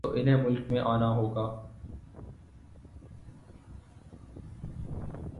تو انہیں ملک میں آنا ہو گا۔